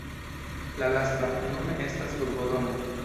La lasta nun estas urbodomo.